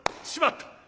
「しまった！